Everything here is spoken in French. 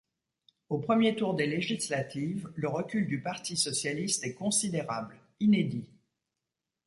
Au premier tour des législatives, le recul du Parti socialiste est considérable, inédit.